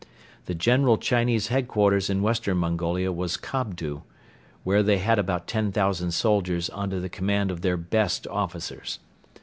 The general Chinese headquarters in Western Mongolia was Kobdo, where they had about ten thousand soldiers under the command of their best officers.